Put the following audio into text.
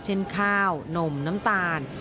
เช่นข้าวนมน้ำตาล